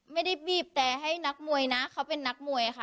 ไม่ได้บีบแต่ให้นักมวยนะเขาเป็นนักมวยค่ะ